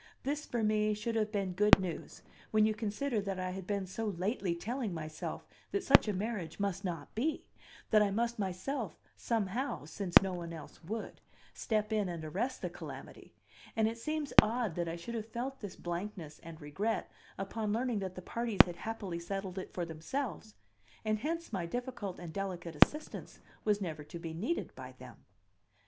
This, for me, should have been good news, when you consider that I had been so lately telling myself such a marriage must not be, that I must myself, somehow (since no one else would), step in and arrest the calamity; and it seems odd that I should have felt this blankness and regret upon learning that the parties had happily settled it for themselves, and hence my difficult and delicate assistance was never to be needed by them.